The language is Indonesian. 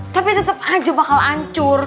tapi tetep aja bakal ancur